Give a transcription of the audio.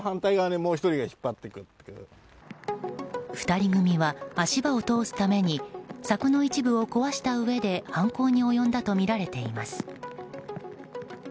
２人組は足場を通すために柵の一部を壊したうえで犯行に及んだとみられています。